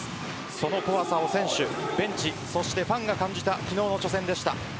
その怖さを選手、ベンチそしてファンが感じた昨日の初戦でした。